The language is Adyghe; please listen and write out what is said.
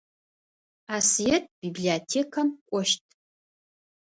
Асыет библиотекэм кӏощт.